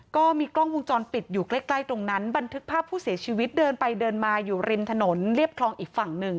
ก็มีกล้องวงจรปิดอยู่ใกล้ตรงนั้นบันทึกภาพผู้เสียชีวิตเดินไปเดินมาอยู่ริมถนนเรียบคลองอีกฝั่งหนึ่ง